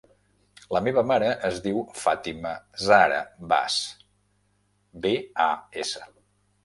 La meva mare es diu Fàtima zahra Bas: be, a, essa.